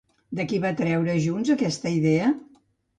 De qui va treure Junts aquesta idea?